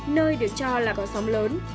nơi được cho là có sóng lớn